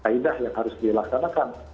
kaedah yang harus dilaksanakan